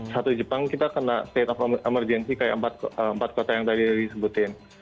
satu di jepang kita kena state of emergency kayak empat kota yang tadi disebutin